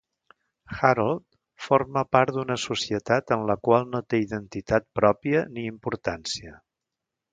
Harold forma part d'una societat en la qual no té identitat pròpia ni importància.